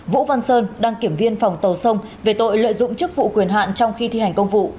vũ văn sơn đăng kiểm viên phòng tàu sông về tội lợi dụng chức vụ quyền hạn trong khi thi hành công vụ